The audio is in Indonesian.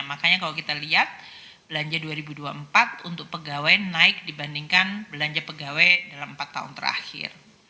makanya kalau kita lihat belanja dua ribu dua puluh empat untuk pegawai naik dibandingkan belanja pegawai dalam empat tahun terakhir